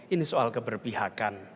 ini soal keberpihakan